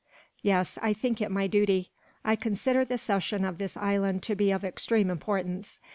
"Yes, I think it my duty. I consider the cession of this island to be of extreme importance.